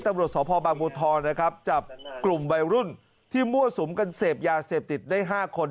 ตำรวจสพบางบัวทองนะครับจับกลุ่มวัยรุ่นที่มั่วสุมกันเสพยาเสพติดได้๕คน